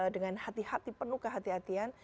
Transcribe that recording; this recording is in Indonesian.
dengan hati hati penuh kehatian